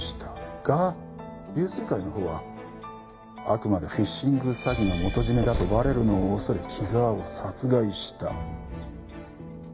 が龍翠会のほうはあくまでフィッシング詐欺の元締だとバレるのを恐れ木沢を殺害した。